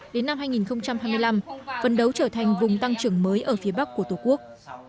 đến năm hai nghìn hai mươi năm phấn đấu trở thành vùng tăng trưởng mới ở phía bắc của tổ quốc